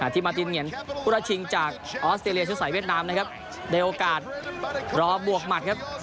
ที่มาตินเหงียนผู้ราชชิงจากออสเตรเลียชุดสายเวียดนามนะครับได้โอกาสรอบวกหมัดครับ